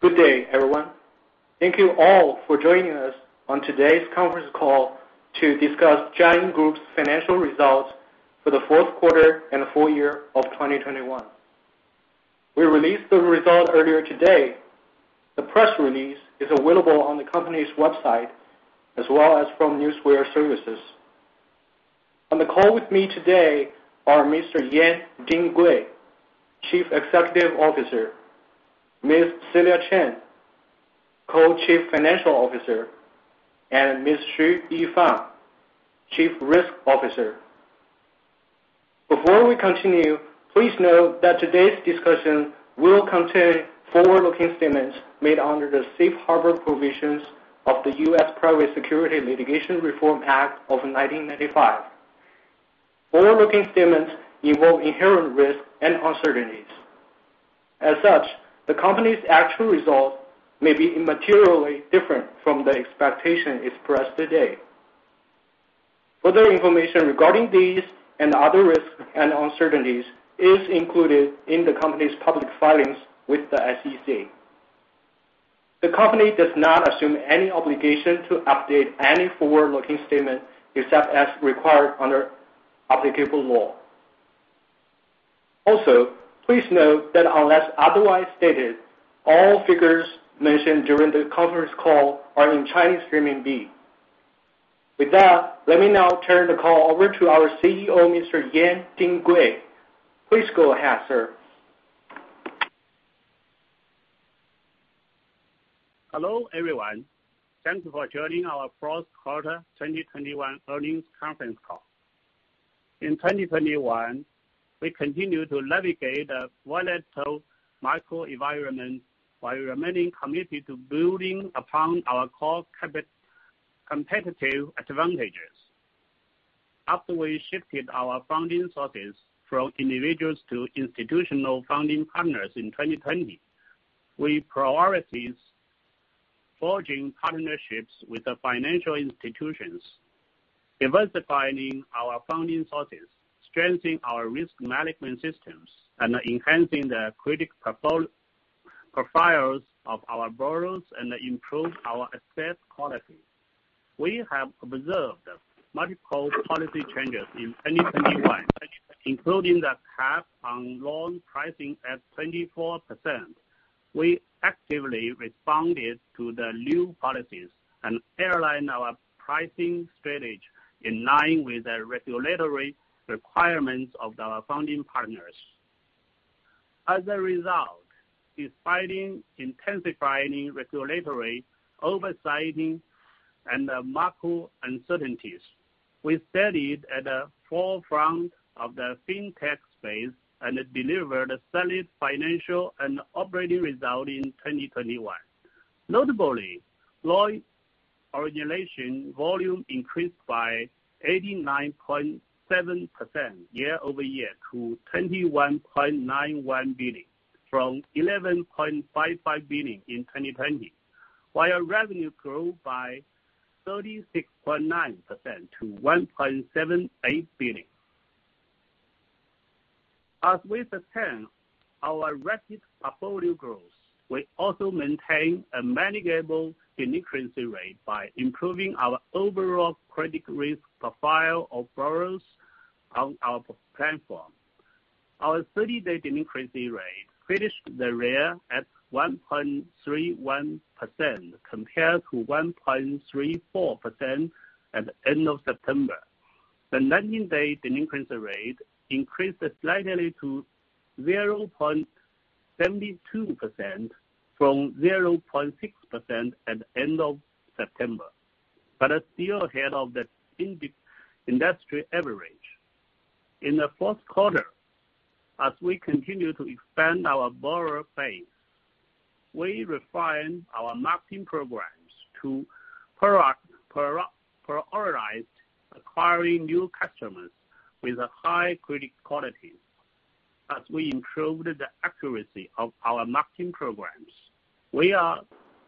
Good day, everyone. Thank you all for joining us on today's conference call to discuss Jiayin Group's financial results for the fourth quarter and full year of 2021. We released the results earlier today. The press release is available on the company's website, as well as from newswire services. On the call with me today are Mr. Yan Dinggui, Chief Executive Officer, Ms. Jin Chen, Co-Chief Financial Officer, and Ms. Xu Yifang, Chief Risk Officer. Before we continue, please note that today's discussion will contain forward-looking statements made under the Safe Harbor provisions of the U.S. Private Securities Litigation Reform Act of 1995. Forward-looking statements involve inherent risks and uncertainties. As such, the company's actual results may be materially different from the expectations expressed today. Further information regarding these and other risks and uncertainties is included in the company's public filings with the SEC. The company does not assume any obligation to update any forward-looking statement except as required under applicable law. Also, please note that unless otherwise stated, all figures mentioned during the conference call are in Chinese renminbi. With that, let me now turn the call over to our CEO, Mr. Yan Dinggui. Please go ahead, sir. Hello, everyone. Thanks for joining our fourth quarter 2021 earnings conference call. In 2021, we continued to navigate a volatile macro environment while remaining committed to building upon our core competitive advantages. After we shifted our funding sources from individuals to institutional funding partners in 2020, we prioritized forging partnerships with the financial institutions, diversifying our funding sources, strengthening our risk management systems, and enhancing the credit profiles of our borrowers and improve our asset quality. We have observed multiple policy changes in 2021, including the cap on loan pricing at 24%. We actively responded to the new policies and aligned our pricing strategy in line with the regulatory requirements of the funding partners. As a result, despite intensifying regulatory oversight and macro uncertainties, we stayed at the forefront of the fintech space and delivered solid financial and operating results in 2021. Notably, loan origination volume increased by 89.7% year-over-year to 21.91 billion, from 11.55 billion in 2020. While revenue grew by 36.9% to RMB 1.78 billion. As we sustain our rapid portfolio growth, we also maintain a manageable delinquency rate by improving our overall credit risk profile of borrowers on our platform. Our 30-day delinquency rate finished the year at 1.31% compared to 1.34% at the end of September. The 90-day delinquency rate increased slightly to 0.72% from 0.6% at the end of September, but is still ahead of the industry average. In the fourth quarter, as we continue to expand our borrower base, we refined our marketing programs to prioritize acquiring new customers with a high credit quality. As we improved the accuracy of our marketing programs, we are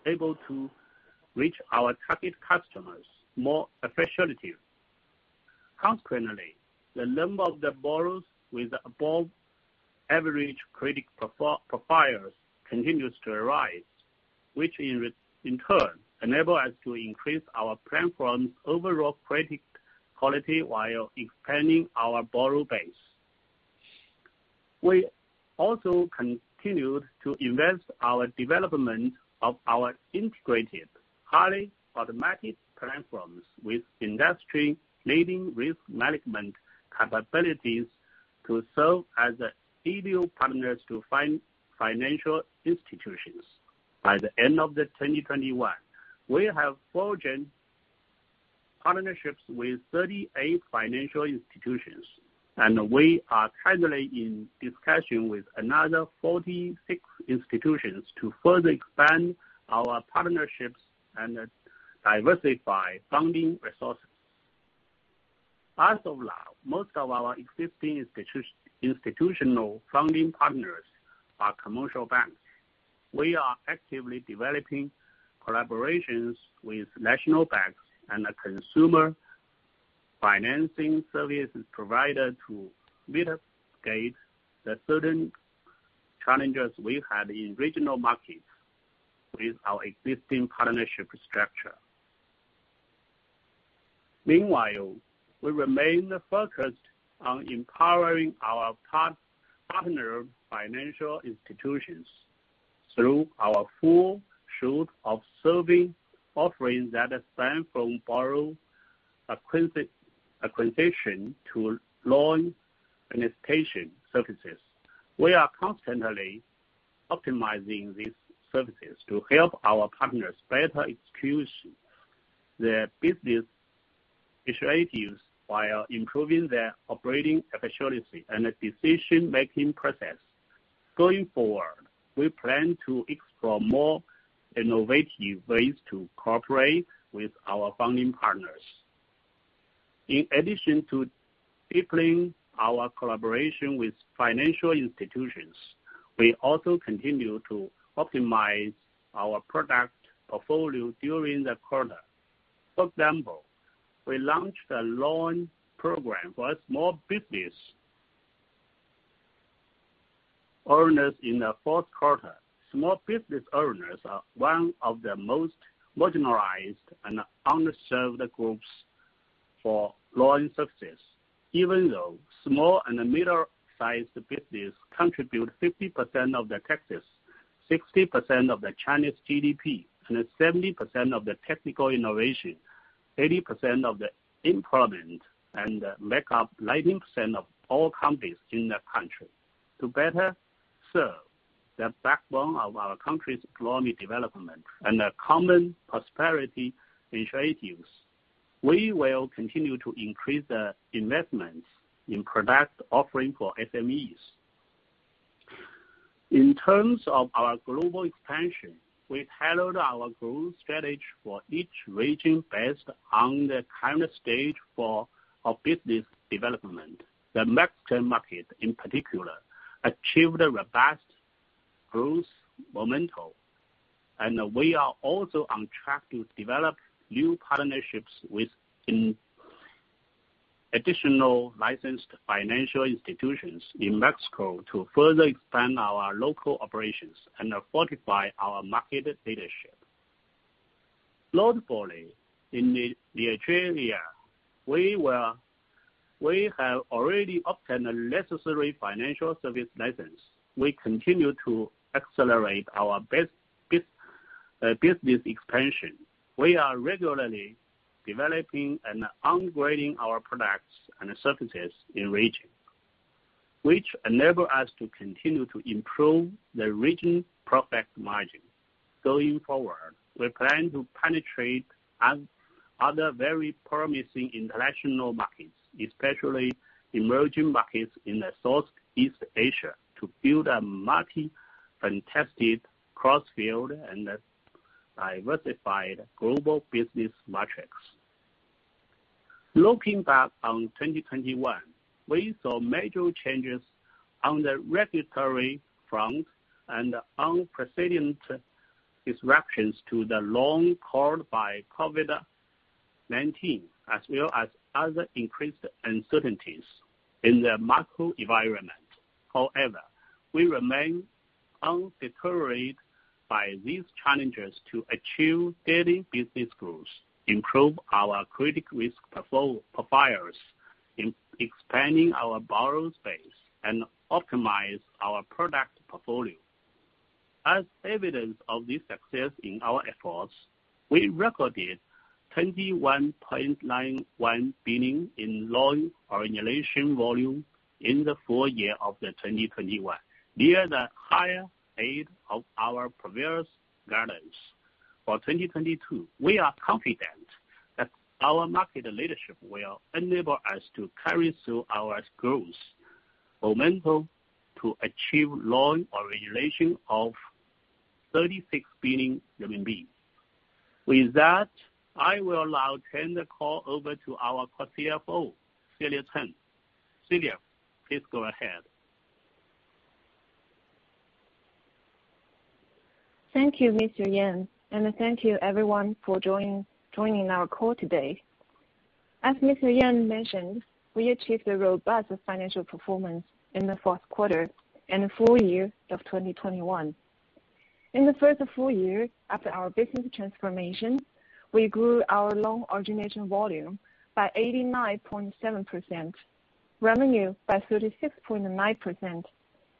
able to reach our target customers more efficiently. Consequently, the number of the borrowers with above average credit profiles continues to rise, which in turn enable us to increase our platform's overall credit quality while expanding our borrower base. We also continued to invest in the development of our integrated, highly automatic platforms with industry-leading risk management capabilities to serve as ideal partners to financial institutions. By the end of 2021, we have forged partnerships with 38 financial institutions, and we are currently in discussion with another 46 institutions to further expand our partnerships and diversify funding resources. As of now, most of our existing institutional funding partners are commercial banks. We are actively developing collaborations with national banks and consumer financing service providers to mitigate certain challenges we had in regional markets with our existing partnership structure. Meanwhile, we remain focused on empowering our partner financial institutions through our full suite of servicing offerings that span from borrower acquisition to loan administration services. We are constantly optimizing these services to help our partners better execute their business initiatives while improving their operating efficiency and the decision-making process. Going forward, we plan to explore more innovative ways to cooperate with our funding partners. In addition to deepening our collaboration with financial institutions, we also continue to optimize our product portfolio during the quarter. For example, we launched a loan program for small business owners in the fourth quarter. Small business owners are one of the most marginalized and underserved groups for loan access. Even though small and middle-sized business contribute 50% of the taxes, 60% of the Chinese GDP, and 70% of the technical innovation, 80% of the employment, and make up 90% of all companies in the country. To better serve the backbone of our country's economic development and the common prosperity initiatives, we will continue to increase the investments in product offering for SMEs. In terms of our global expansion, we tailored our growth strategy for each region based on the current stage for our business development. The Mexican market, in particular, achieved a robust growth momentum, and we are also on track to develop new partnerships with additional licensed financial institutions in Mexico to further expand our local operations and fortify our market leadership. Lastly, in Australia, we have already obtained the necessary financial service license. We continue to accelerate our business expansion. We are regularly developing and upgrading our products and services in the region, which enable us to continue to improve the regional profit margin. Going forward, we plan to penetrate other very promising international markets, especially emerging markets in Southeast Asia, to build a multifaceted cross-border and a diversified global business matrix. Looking back on 2021, we saw major changes on the regulatory front and unprecedented disruptions to the loan caused by COVID-19-19, as well as other increased uncertainties in the macro environment. However, we remain undeterred by these challenges to achieve steady business growth, improve our credit risk profiles, in expanding our borrower base, and optimize our product portfolio. As evidence of this success in our efforts, we recorded 21.91 billion in loan origination volume in the full year of 2021, near the higher end of our previous guidance. For 2022, we are confident that our market leadership will enable us to carry through our growth momentum to achieve loan origination of 36 billion RMB. With that, I will now turn the call over to our Co-CFO, Jin Chen. Jin, please go ahead. Thank you, Mr. Yan, and thank you everyone for joining our call today. As Mr. Yan mentioned, we achieved a robust financial performance in the fourth quarter and full year of 2021. In the first full year after our business transformation, we grew our loan origination volume by 89.7%, revenue by 36.9%,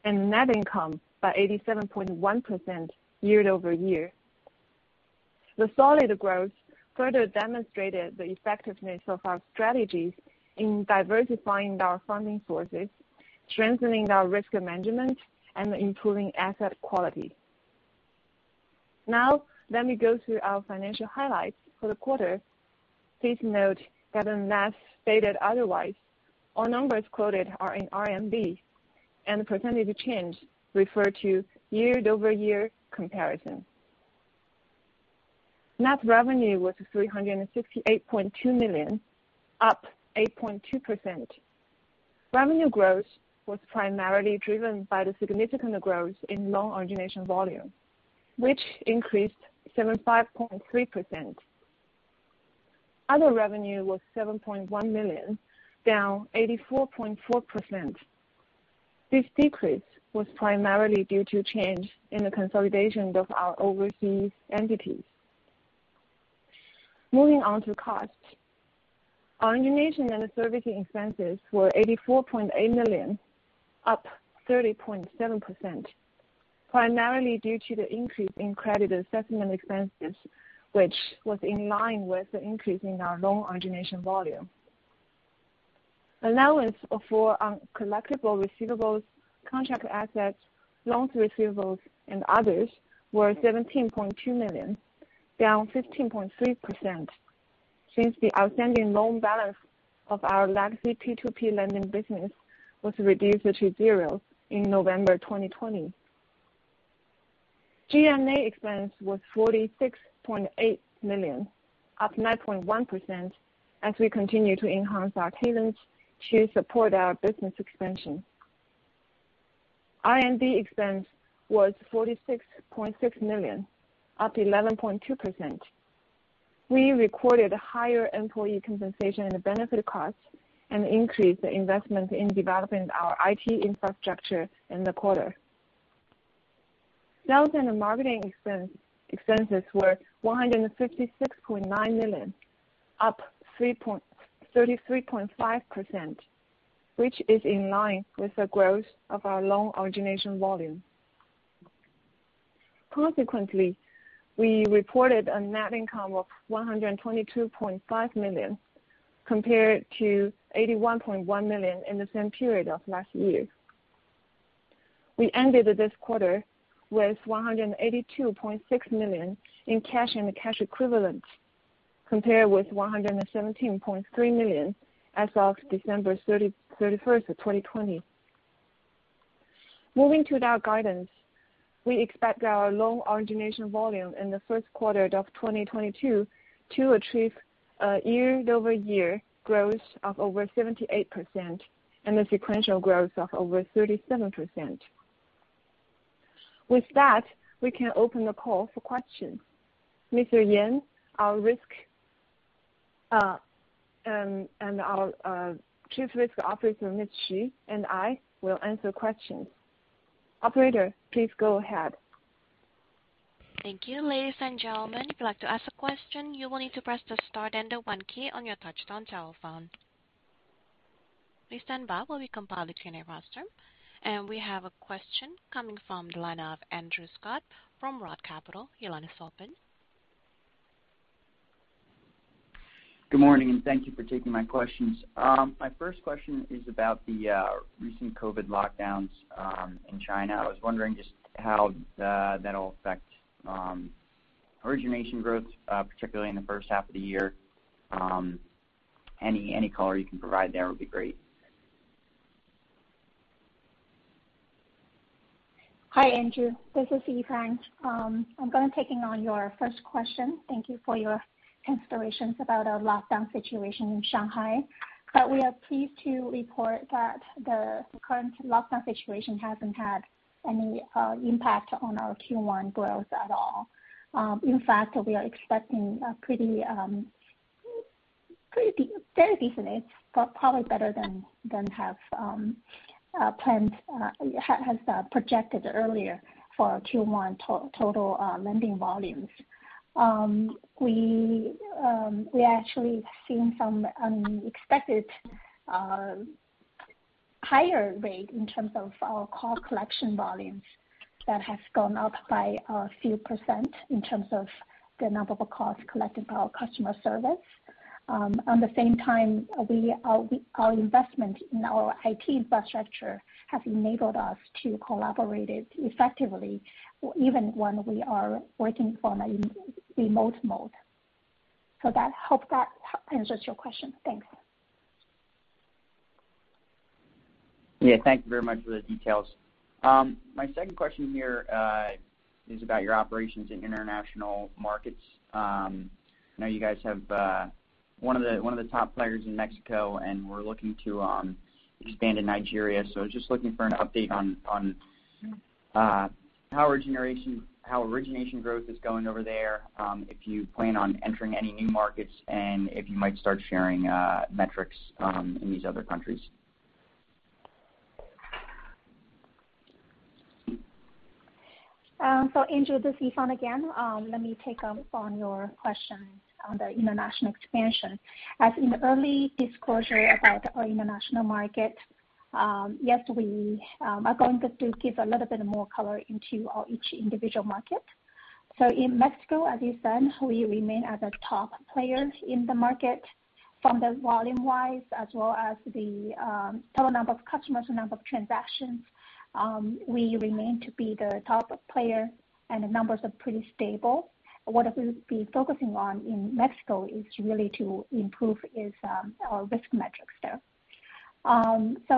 and net income by 87.1% year-over-year. The solid growth further demonstrated the effectiveness of our strategies in diversifying our funding sources, strengthening our risk management, and improving asset quality. Now, let me go through our financial highlights for the quarter. Please note that unless stated otherwise, all numbers quoted are in RMB, and the percentage change refer to year-over-year comparison. Net revenue was 368.2 million, up 8.2%. Revenue growth was primarily driven by the significant growth in loan origination volume, which increased 75.3%. Other revenue was 7.1 million, down 84.4%. This decrease was primarily due to change in the consolidation of our overseas entities. Moving on to costs. Origination and servicing expenses were 84.8 million, up 30.7%, primarily due to the increase in credit assessment expenses, which was in line with the increase in our loan origination volume. Allowance for uncollectible receivables, contract assets, loans receivables and others were 17.2 million, down 15.3% since the outstanding loan balance of our legacy P2P lending business was reduced to zero in November 2020. G&A expense was 46.8 million, up 9.1% as we continue to enhance our talent to support our business expansion. R&D expense was 46.6 million, up 11.2%. We recorded higher employee compensation and benefit costs and increased the investment in developing our IT infrastructure in the quarter. Sales and marketing expenses were 156.9 million, up 33.5%, which is in line with the growth of our loan origination volume. Consequently, we reported a net income of 122.5 million, compared to 81.1 million in the same period of last year. We ended this quarter with 182.6 million in cash and cash equivalents, compared with 117.3 million as of December 31, 2020. Moving to our guidance. We expect our loan origination volume in the first quarter of 2022 to achieve a year-over-year growth of over 78% and a sequential growth of over 37%. With that, we can open the call for questions. Mr. Yan, our Chief Risk Officer, Ms. Xu, and I will answer questions. Operator, please go ahead. Thank you. Ladies and gentlemen, if you'd like to ask a question, you will need to press the star then the one key on your touch-tone telephone. Please stand by while we compile the Q&A roster. We have a question coming from the line of Andrew Scutt from Roth Capital Partners. Your line is open. Good morning, and thank you for taking my questions. My first question is about the recent COVID-19 lockdowns in China. I was wondering just how that'll affect origination growth, particularly in the first half of the year. Any color you can provide there would be great. Hi, Andrew. This is Yifang. I'm gonna take on your first question. Thank you for your considerations about our lockdown situation in Shanghai. We are pleased to report that the current lockdown situation hasn't had any impact on our Q1 growth at all. In fact, we are expecting a very decent, but probably better than we had planned, as projected earlier for Q1 total lending volumes. We actually have seen some unexpectedly higher rate in terms of our call collection volumes that has gone up by a few% in terms of the number of calls collected by our customer service. At the same time, our investment in our IT infrastructure has enabled us to collaborate effectively even when we are working from a remote mode. So that. I hope that answers your question. Thanks. Yeah. Thank you very much for the details. My second question here is about your operations in international markets. I know you guys have one of the top players in Mexico, and we're looking to expand in Nigeria. I was just looking for an update on how origination growth is going over there, if you plan on entering any new markets, and if you might start sharing metrics in these other countries. Andrew, this is Yifang again. Let me take up on your questions on the international expansion. As in early disclosure about our international market, yes, we are going to give a little bit more color into our each individual market. In Mexico, as you said, we remain a top player in the market volume-wise as well as the total number of customers, the number of transactions. We remain to be the top player, and the numbers are pretty stable. What we'll be focusing on in Mexico is really to improve our risk metrics there.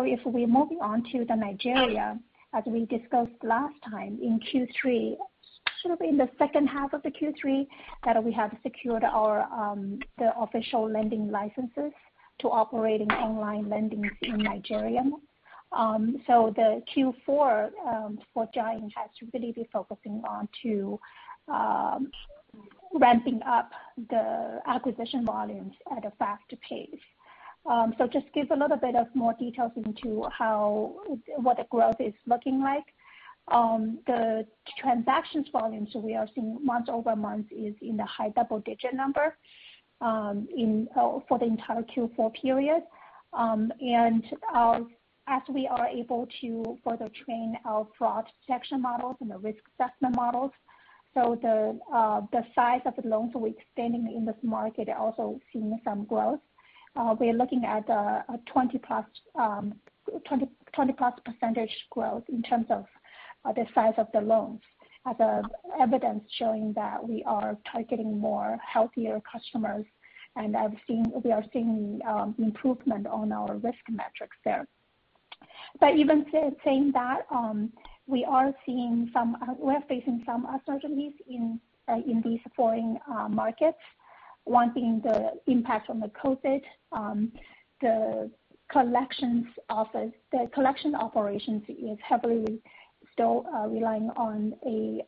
If we're moving on to Nigeria, as we discussed last time in Q3, should be in the second half of the Q3 that we have secured the official lending licenses to operate in online lending in Nigeria. The Q4 for Jiayin has really been focusing on ramping up the acquisition volumes at a faster pace. Just give a little bit more details into what the growth is looking like. The transactions volumes we are seeing month-over-month is in the high double digit number for the entire Q4 period. As we are able to further train our fraud detection models and the risk assessment models, the size of the loans we're extending in this market are also seeing some growth. We're looking at a 20-plus percentage growth in terms of the size of the loans as evidence showing that we are targeting healthier customers. We are seeing improvement on our risk metrics there. Even saying that, we are facing some uncertainties in these foreign markets. One being the impact from the COVID-19, the collections office. The collection operations is heavily still relying on the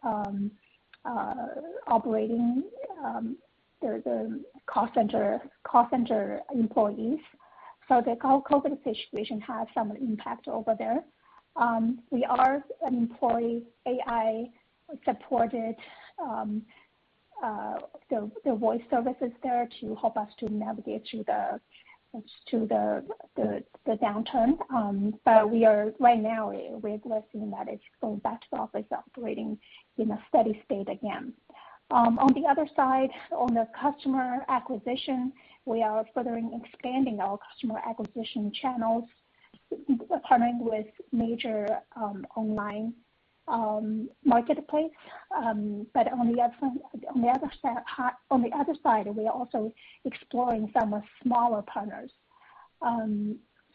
call center employees. The whole COVID-19 situation has some impact over there. We are employing AI-supported voice services there to help us to navigate through the downturn. We are right now seeing that it's going back to office operating in a steady state again. On the other side, on the customer acquisition, we are further expanding our customer acquisition channels, partnering with major online marketplace. On the other side, we are also exploring some smaller partners.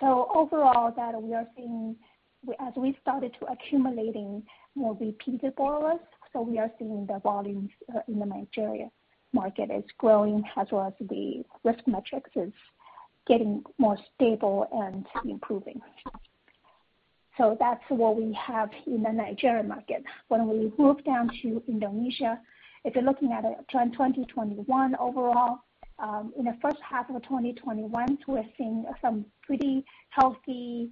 Overall that we are seeing as we started to accumulating more repeatable risk, so we are seeing the volumes in the Nigeria market is growing as well as the risk metrics is getting more stable and improving. That's what we have in the Nigeria market. When we move down to Indonesia, if you're looking at it 2020-2021 overall, in the first half of 2021, we're seeing some pretty healthy,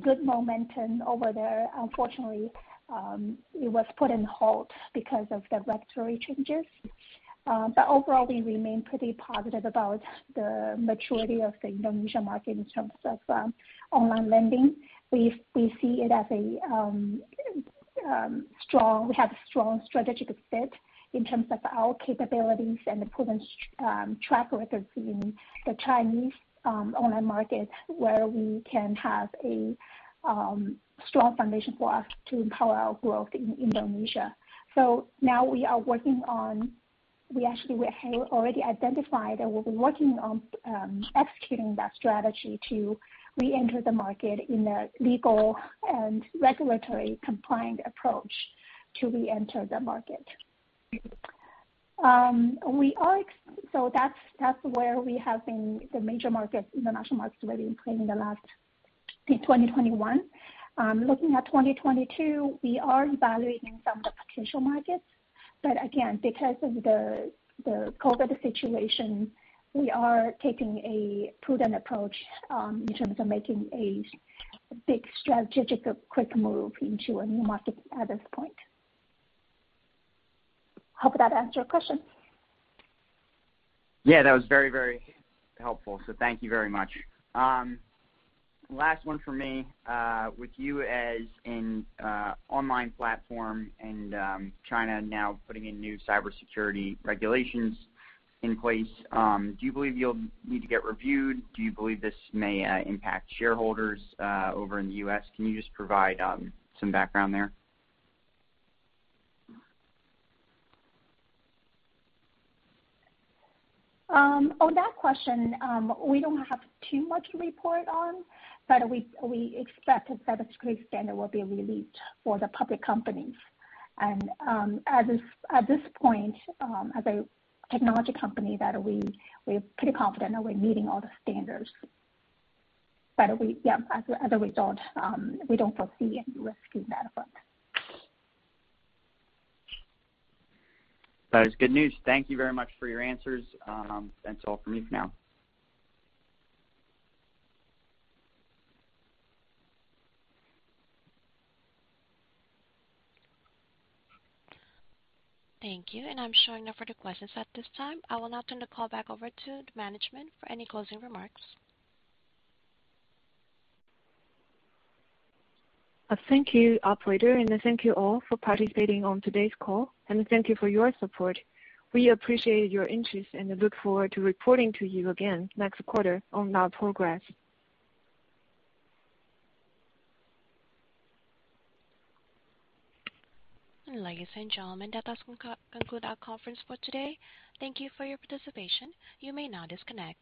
good momentum over there. Unfortunately, it was put on hold because of the regulatory changes. Overall, we remain pretty positive about the maturity of the Indonesia market in terms of online lending. We see it as a strong. We have a strong strategic fit in terms of our capabilities and proven track records in the Chinese online market where we can have a strong foundation for us to empower our growth in Indonesia. Now we are working on. We actually have already identified and we'll be working on executing that strategy to reenter the market in a legal and regulatory compliant approach to reenter the market. That's where we have been the major markets, international markets we've been playing in the last in 2021. Looking at 2022, we are evaluating some of the potential markets. Again, because of the COVID-19 situation, we are taking a prudent approach in terms of making a big strategic quick move into a new market at this point. Hope that answered your question. Yeah, that was very, very helpful, so thank you very much. Last one for me. With you as an online platform and China now putting in new cybersecurity regulations in place, do you believe you'll need to get reviewed? Do you believe this may impact shareholders over in the U.S.? Can you just provide some background there? On that question, we don't have too much to report on, but we expect the cybersecurity standard will be released for the public companies. At this point, as a technology company, we're pretty confident that we're meeting all the standards. As a result, we don't foresee any risk in that front. That is good news. Thank you very much for your answers. That's all from me for now. Thank you. I'm showing no further questions at this time. I will now turn the call back over to management for any closing remarks. Thank you, operator, and thank you all for participating on today's call, and thank you for your support. We appreciate your interest and look forward to reporting to you again next quarter on our progress. Ladies and gentlemen, that does conclude our conference for today. Thank you for your participation. You may now disconnect.